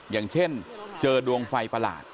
อย่างเช่นเจอดวงไฟประหลาด